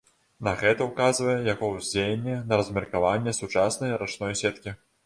На гэта ўказвае яго ўздзеянне на размеркаванне сучаснай рачной сеткі.